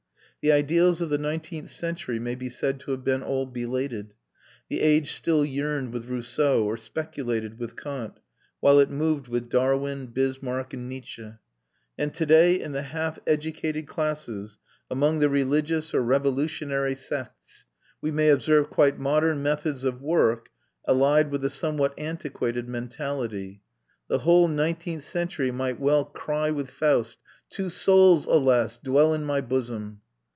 The ideals of the nineteenth century may be said to have been all belated; the age still yearned with Rousseau or speculated with Kant, while it moved with Darwin, Bismarck, and Nietzsche: and to day, in the half educated classes, among the religious or revolutionary sects, we may observe quite modern methods of work allied with a somewhat antiquated mentality. The whole nineteenth century might well cry with Faust: "Two souls, alas, dwell in my bosom!"